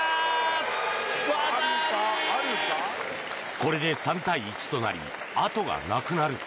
これで３対１となり後がなくなる。